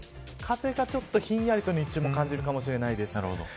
風がちょっとひんやりと日中も感じるかもしれません。